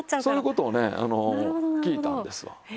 そういう事をね聞いたんですわ。